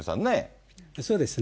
そうですね。